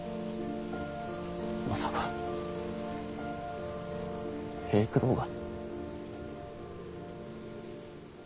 まさか平九郎が。